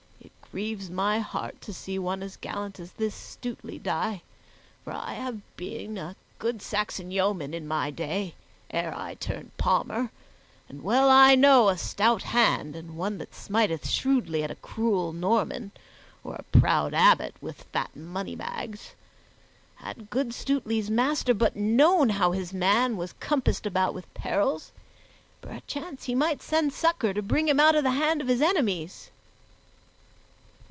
It grieves my heart to see one as gallant as this Stutely die, for I have been a good Saxon yeoman in my day, ere I turned palmer, and well I know a stout hand and one that smiteth shrewdly at a cruel Norman or a proud abbot with fat moneybags. Had good Stutely's master but known how his man was compassed about with perils, perchance he might send succor to bring him out of the hand of his enemies.